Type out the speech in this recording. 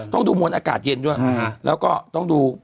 ต้องดูมวลอากาศเย็นด้วยแล้วก็ต้องดู